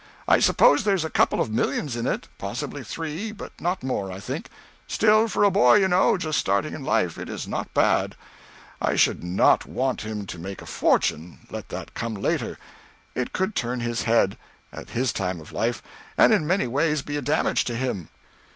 I suppose there's a couple of millions in it, possibly three, but not more, I think; still, for a boy, you know, just starting in life, it is not bad. I should not want him to make a fortune let that come later. It could turn his head, at his time of life, and in many ways be a damage to him."